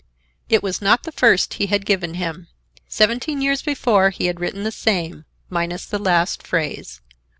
It was not the first he had given him. Seventeen years before he had written the same, minus the last phrase.